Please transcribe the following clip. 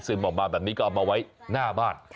ออกมาแบบนี้ก็เอามาไว้หน้าบ้าน